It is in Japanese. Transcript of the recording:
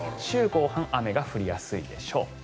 週後半雨が降りやすいでしょう。